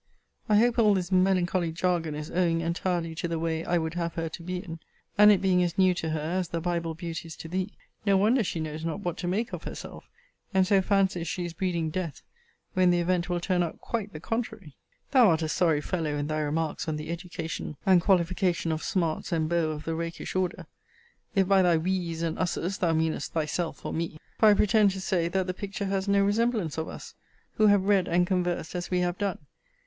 I hope all this melancholy jargon is owing entirely to the way I would have her to be in. And it being as new to her, as the Bible beauties to thee,* no wonder she knows not what to make of herself; and so fancies she is breeding death, when the event will turn out quite the contrary. * See Letter XLVI. of this volume. Thou art a sorry fellow in thy remarks on the education and qualification of smarts and beaux of the rakish order; if by thy we's and us's thou meanest thyself or me:* for I pretend to say, that the picture has no resemblance of us, who have read and conversed as we have done.